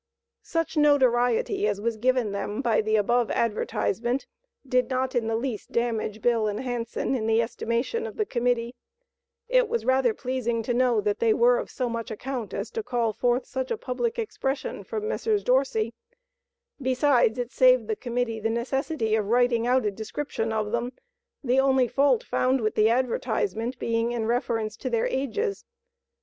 Such notoriety as was given them by the above advertisement, did not in the least damage Bill and Hanson in the estimation of the Committee. It was rather pleasing to know that they were of so much account as to call forth such a public expression from the Messrs. Dorsey. Besides it saved the Committee the necessity of writing out a description of them, the only fault found with the advertisement being in Reference to their ages.